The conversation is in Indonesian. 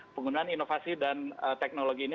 penggunaan inovasi dan teknologi ini